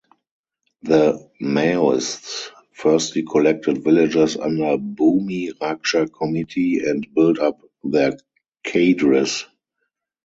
The Maoists firstly collected villagers under Bhoomi Raksha Committee and built up their cadres.